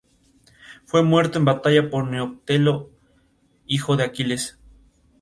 Fue muerto en batalla por Neoptólemo, hijo de Aquiles.